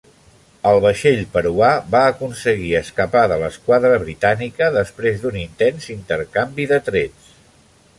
El vaixell peruà va aconseguir escapar de l'esquadra britànica després d'un intens intercanvi de trets.